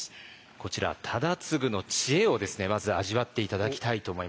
こちら忠次の知恵をですねまず味わって頂きたいと思います。